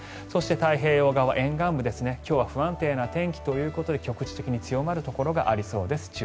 そして太平洋側沿岸部今日は不安定な天気ということで局地的に強まるところがありそうです。